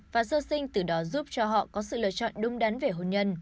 và sơ sinh từ đó giúp cho họ có sự lựa chọn đúng đắn về hôn nhân